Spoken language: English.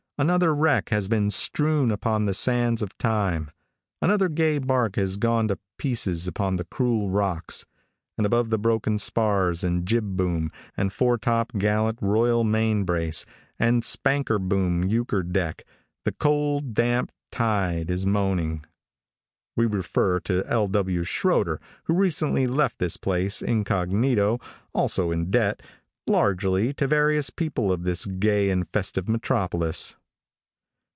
Another wreck has been strewn upon the sands of time. Another gay bark has gone to pieces upon the cruel rocks, and above the broken spars and jib boom, and foretop gallant royal mainbrace, and spanker boom euchre deck, the cold, damp tide is moaning. We refer to L. W. Shroeder, who recently left this place incog., also in debt, largely, to various people of this gay and festive metropolis.